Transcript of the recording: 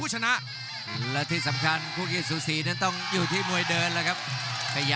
อุปกรณ์แย่วมา